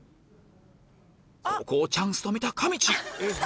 ここをチャンスと見たかみちぃ！